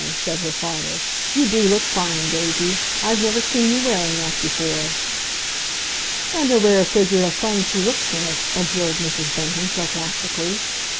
said her father. "You do look fine, Daisy. I've never seen you wearing that before." "And a rare figure of fun she looks in it!" observed Mrs. Bunting sarcastically.